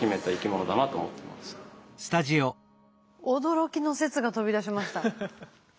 驚きの説が飛び出しました。